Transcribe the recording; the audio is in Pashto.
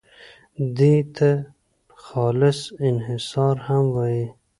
دې ته خالص انحصار هم وایي.